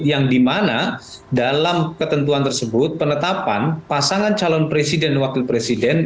yang dimana dalam ketentuan tersebut penetapan pasangan calon presiden dan wakil presiden